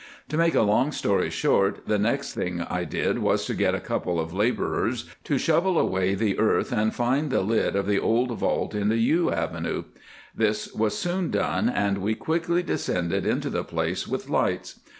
To make a long story short, the next thing I did was to get a couple of labourers to shovel away the earth and find the lid of the old vault in the yew avenue. This was soon done, and we quickly descended into the place with lights.